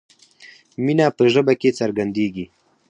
مینه په ژبه کې څرګندیږي.